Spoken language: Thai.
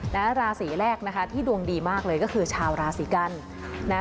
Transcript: และราศีแรกที่ดวงดีมากเลยก็คือชาวราศีกัน